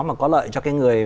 mà có lợi cho cái người